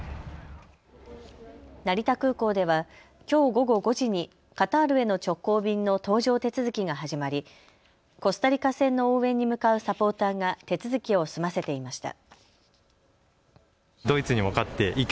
成田空港ではきょう午後５時にカタールへの直行便の搭乗手続きが始まり、コスタリカ戦の応援に向かうサポーターが手続きを済ませていました。